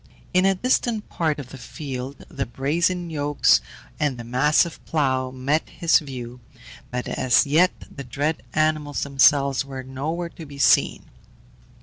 In a distant part of the field the brazen yokes and the massive plough met his view, but as yet the dread animals themselves were nowhere to be seen.